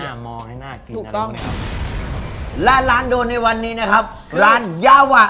ให้น่ามองให้น่ากินอะไรอย่างนี้ครับและร้านโดนในวันนี้นะครับร้านยาวะ